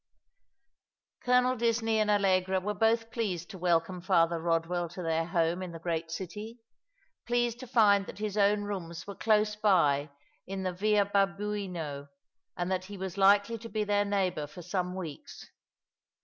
Colonel Disney and Allegra were both pleased to welcome Father Eodwell to their home in the great city ; pleased to find that his own rooms were clo^e by in the Via Babuino, and that he was likely to be their neighbour for some weeks.